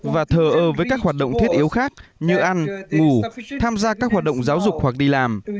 và thờ ơ với các hoạt động thiết yếu khác như ăn ngủ tham gia các hoạt động giáo dục hoặc đi làm